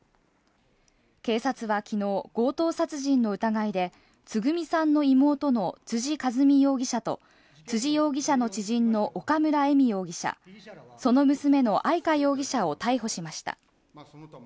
警察はきのう、強盗殺人の疑いでつぐみさんの妹の辻和美容疑者と辻容疑者の知人の岡村恵美容疑者、その娘の愛香容疑者を逮捕しました。